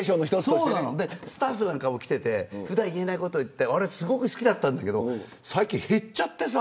スタッフさんとかも来ていて普段、言えないことを言ってすごく好きだったんだけど最近減っちゃってさ。